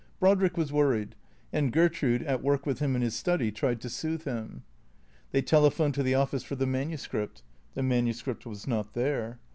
Brodrick was worried, and Gertrude, at work with him in his study, tried to soothe him. They telephoned to the office for the manuscript. The manu script was not there.